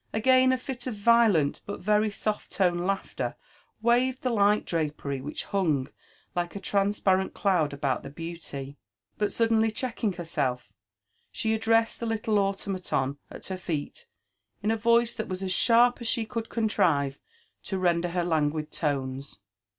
Again a fit of violent but very soft toned laughter waved the light drapery which hung like a transparent cloud about the beauty ; but suddenly checking herself, she addressed the little automaton at her feet, in a voice that was as sharp as she could contrive to render her languid tones.